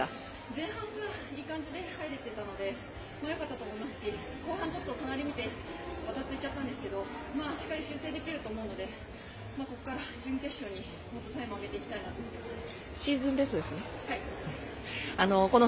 前半はいい感じで入れていたので良かったと思いますし後半隣を見てバタついてしまったんですがしっかり修正できると思うのでここから準決勝はもっとタイムを上げていきたいなと思います。